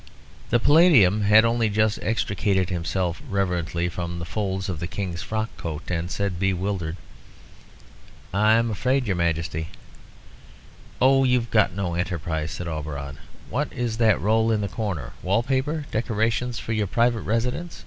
The Paladium had only just extricated himself reverently from the folds of the King's frock coat, and said bewildered "I am afraid, your Majesty " "Oh, you've got no enterprise," said Auberon. "What's that roll in the corner? Wall paper? Decorations for your private residence?